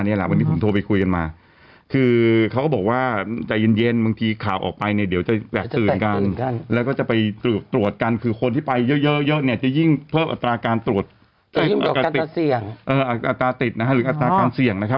จะยิ่งเพิ่มอัตราการตรวจอัตราติดนะครับหรืออัตราการเสี่ยงนะครับ